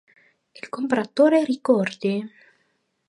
Il compratore ricordi!